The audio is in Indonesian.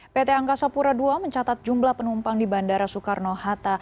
pt angkasa pura ii mencatat jumlah penumpang di bandara soekarno hatta